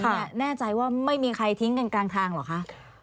แน่ใจว่าไม่มีใครทิ้งกันกลางทางเหรอคะ